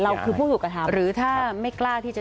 คือผู้ถูกกระทำหรือถ้าไม่กล้าที่จะ